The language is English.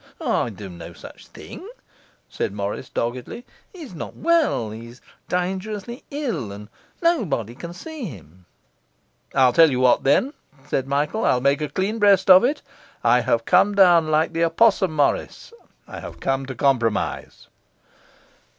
'I do no such thing,' said Morris doggedly. 'He is not well, he is dangerously ill and nobody can see him.' 'I'll tell you what, then,' said Michael. 'I'll make a clean breast of it. I have come down like the opossum, Morris; I have come to compromise.